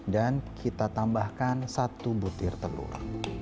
dan kita tambahkan satu butir telur